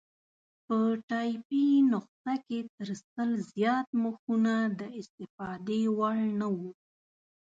په ټایپي نسخه کې تر سل زیات مخونه د استفادې وړ نه وو.